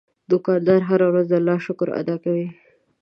دوکاندار هره ورځ د الله شکر ادا کوي.